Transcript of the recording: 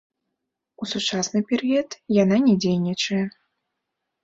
У сучасны перыяд яна не дзейнічае.